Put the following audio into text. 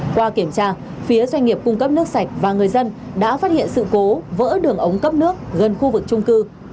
qua kiểm tra phía doanh nghiệp cung cấp nước sạch và người dân đã phát hiện sự cố vỡ đường ống cấp nước gần khu vực trung cư